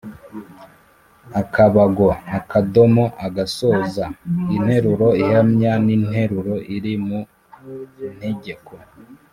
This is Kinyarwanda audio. akabago/akadomo (.): gasoza interuro ihamya n‟interuro iri mu ntegeko.